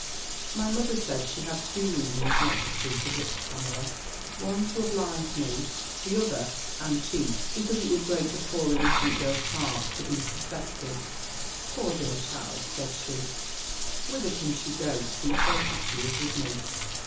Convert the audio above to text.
"My mother said, she had two reasons not to speak of it to Pamela: one to oblige me: the other and chief, because it would break the poor innocent girl's heart, to be suspected. 'Poor dear child!' said she, 'whither can she go, to be so happy as with me?